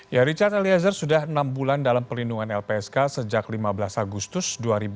ya richard eliezer sudah enam bulan dalam pelindungan lpsk sejak lima belas agustus dua ribu dua puluh